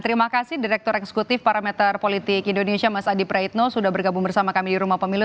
terima kasih direktur eksekutif parameter politik indonesia mas adi praitno sudah bergabung bersama kami di rumah pemilu